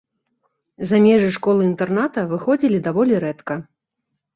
За межы школы-інтэрната выходзілі даволі рэдка.